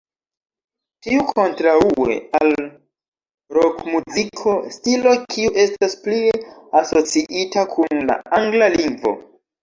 Tio kontraŭe al rokmuziko, stilo kiu estas pli asociita kun la angla lingvo.